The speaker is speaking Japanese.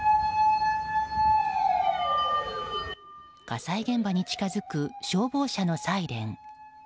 火災現場に近づく消防車のサイレン。